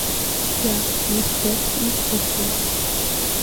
Цәгьа-мыцәгьас избахьоу…